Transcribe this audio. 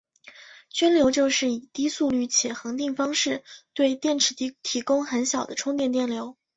涓流就是以低速率且恒定方式对电池提供很小的充电电流。